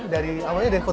jadinya juga ya